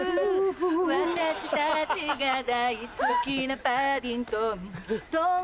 私たちが大好きなパディントン